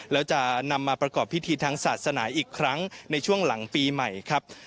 แล้วจะนำมาประกอบพิธีทางศาสนาอีกครั้งในช่วงหลังปีใหม่ครับ